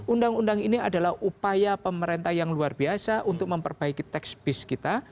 undang undang ini adalah upaya pemerintah yang luar biasa untuk memperbaiki tax base kita